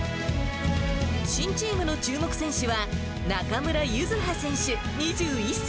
新チームの注目選手は、中村柚葉選手２１歳。